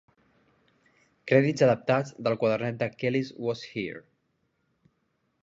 Crèdits adaptats del quadernet de "Kelis Was Here".